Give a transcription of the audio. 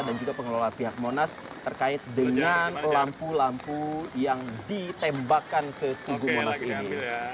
dan juga pengelola pihak monas terkait dengan lampu lampu yang ditembakkan ke tugu monas ini